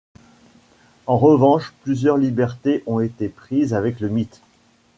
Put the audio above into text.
En revanche, plusieurs libertés ont été prises avec le mythe.